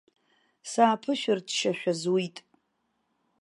Сааԥышәырччашәа зуит.